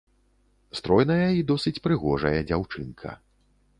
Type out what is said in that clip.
Стройная і досыць прыгожая дзяўчынка.